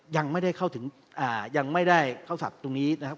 ยังไม่ได้เข้าถึงยังไม่ได้เข้าศัพท์ตรงนี้นะครับ